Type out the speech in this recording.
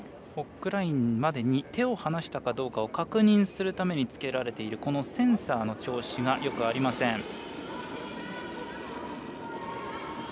ホッグラインまでに手を離したかどうかを確認するためにつけられているセンサーの調子がよくありません。